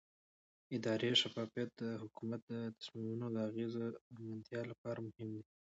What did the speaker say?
اداري شفافیت د حکومت د تصمیمونو د اغیزمنتیا لپاره مهم دی